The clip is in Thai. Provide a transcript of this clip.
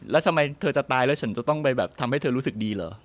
แล้วชั้นจะต้องจะทำให้รู้สึกดีเหรอ